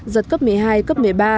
giật cấp một mươi hai cấp một mươi ba